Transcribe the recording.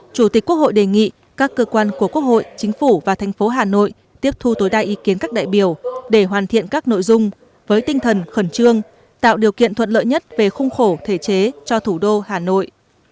chủ tịch quốc hội đề nghị các cơ quan của quốc hội chính phủ và thành phố hà nội tiếp thu tối đa ý kiến các đại biểu để hoàn thiện các nội dung với tinh thần khẩn trương tạo điều kiện thuận lợi nhất về khung khổ thể chế cho thủ đô hà nội